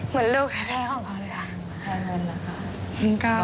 เหมือนลูกแท้ของเขาเลยค่ะ